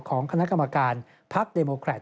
ของคณะกรรมการพักเดโมแครต